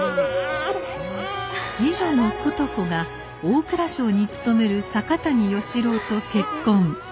次女の琴子が大蔵省に勤める阪谷芳郎と結婚。